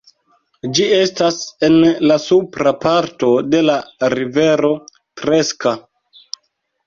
Ĝi estas en la supra parto de la rivero Treska.